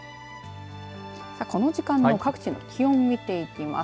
さあ、この時間の各地の気温見ていきます。